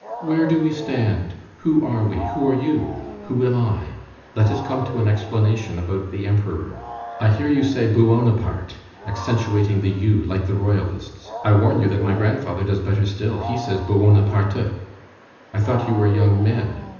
Where do we stand? Who are we? Who are you? Who am I? Let us come to an explanation about the Emperor. I hear you say Buonaparte, accenting the u like the Royalists. I warn you that my grandfather does better still; he says Buonaparté'. I thought you were young men.